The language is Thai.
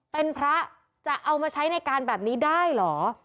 เป็นพระจะเอามาใช้ในการแบบนี้ได้เหรอ